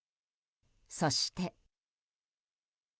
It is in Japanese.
そして。